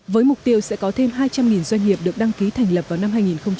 với mục tiêu sẽ có thêm hai trăm linh doanh nghiệp được đăng ký thành lập vào năm hai nghìn hai mươi